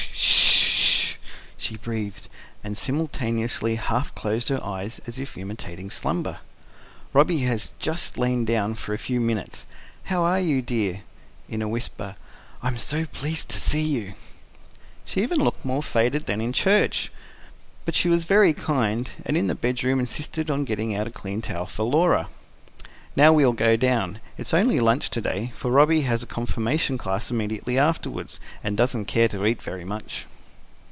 "Hssh ... ssh ... sh!" she breathed, and simultaneously half closed her eyes, as if imitating slumber. "Robby has just lain down for a few minutes. How are you, dear?" in a whisper. "I'm so pleased to see you." She looked even more faded than in church. But she was very kind, and in the bedroom insisted on getting out a clean towel for Laura. "Now we'll go down. It's only lunch to day, for Robby has a confirmation class immediately afterwards, and doesn't care to eat much."